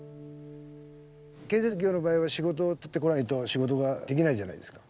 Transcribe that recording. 建設業の場合は仕事を取ってこないと仕事ができないじゃないですか。